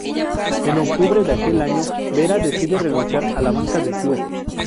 En octubre de aquel año Vera decide renunciar a la banca del club.